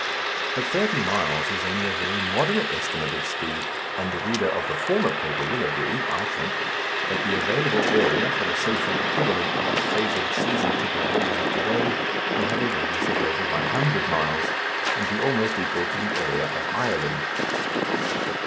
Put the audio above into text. But thirty miles is only a very moderate estimate of speed, and the reader of the former paper will agree, I think, that the available area for the social equivalent of the favoured season ticket holders of to day will have a radius of over one hundred miles, and be almost equal to the area of Ireland.